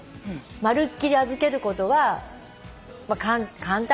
まるっきり預けることは簡単って言い方は。